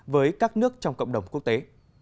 với các nước trong cộng đồng quốc tế